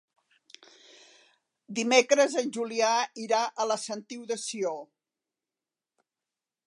Dimecres en Julià irà a la Sentiu de Sió.